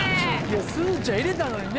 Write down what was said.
すずちゃん入れたのにね。